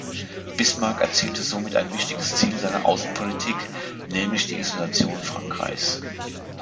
Bismarck erzielte somit ein wichtiges Ziel seiner Außenpolitik, nämlich die Isolation Frankreichs.